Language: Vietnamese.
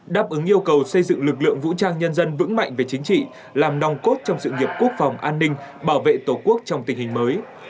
đáp ứng yêu cầu xây dựng lực lượng vũ trang nhân dân vững mạnh về chính trị làm nòng cốt trong sự nghiệp quốc phòng an ninh bảo vệ tổ quốc trong tình hình mới